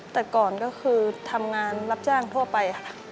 แต่ก่อนก็คือทำงานรับจ้างทั่วไปค่ะ